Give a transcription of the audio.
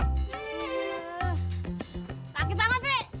takut banget sih